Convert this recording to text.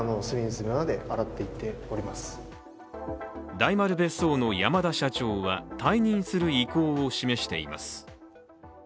大丸別荘の山田社長は退任する意向を示しています。